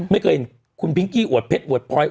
ไม่เคยเห็นคุณพิงกี้อวดเพชรอวดพลอย